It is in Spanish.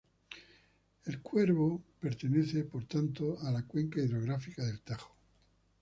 El Cuervo pertenece, por tanto, a la cuenca hidrográfica del Tajo.